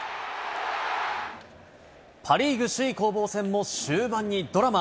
パ・リーグ首位攻防戦も終盤にドラマ。